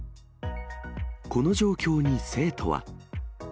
この状況に生徒は。